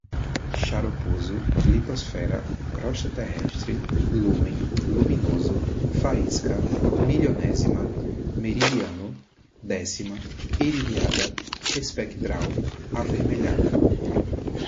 xaroposo, litosfera, crosta terrestre, lúmen, luminoso, faísca, milionésima, meridiano, décima, iridiada, espectral, avermelhada